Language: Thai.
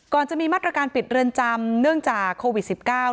จะมีมาตรการปิดเรือนจำเนื่องจากโควิด๑๙